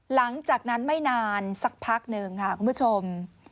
หลังจากนั้นไม่นานสักพักหนึ่งค่ะคุณผู้ชม